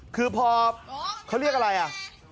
คือพอเขาเรียกอะไรอ่ะ